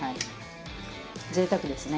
ぜいたくですね。